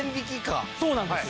そうなんですよ。